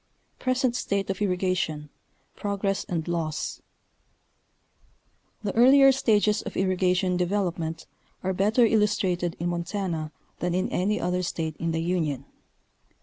PRESENT STATE OF [RRIGATION—PROGRESS AND LAWS. The earlier stages of irrigation development are better illus trated in Montana than in any other State in the Union.